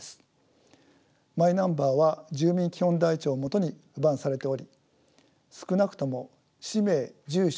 マイナンバーは住民基本台帳を基に付番されており少なくとも氏名住所